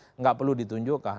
tidak perlu ditunjukkan